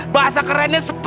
bahasa kerennya spy